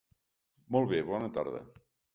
Molt bé, bona tarda!